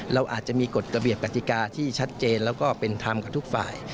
เราอาจจะมีกฎระเบียบกติกาที่ชัดเจนแล้วก็เป็นธรรมกับทุกฝ่าย